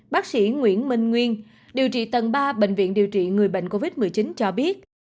bác sĩ nguyễn minh nguyên điều trị tầng ba bệnh viện điều trị người bệnh covid một mươi chín cho biết